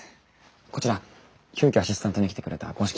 こちら急きょアシスタントに来てくれた五色さん。